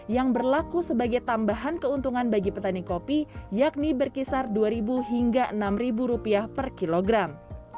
yang berlaku sebagai tambahan keuntungan bagi petani kopi yakni berkisar rp dua hingga rp enam per kilogram